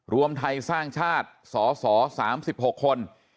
รวมไทยสร้างชาติสส๓๖คน